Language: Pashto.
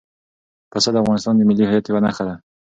پسه د افغانستان د ملي هویت یوه نښه ده.